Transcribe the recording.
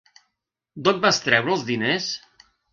D'on vas treure els diners?